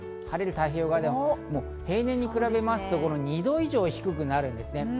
晴れる太平洋側では平年に比べますと２度以上、低くなるんですね。